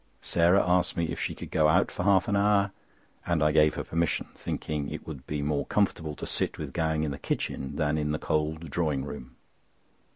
Sarah asked me if she could go out for half an hour, and I gave her permission, thinking it would be more comfortable to sit with Gowing in the kitchen than in the cold drawing room.